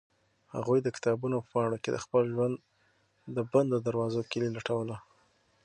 هغوی د کتابونو په پاڼو کې د خپل ژوند د بندو دروازو کیلي لټوله.